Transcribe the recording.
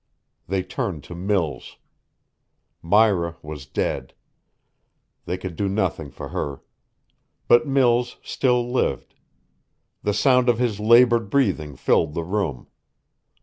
They turned to Mills. Myra was dead. They could do nothing for her. But Mills still lived. The sound of his labored breathing filled the room.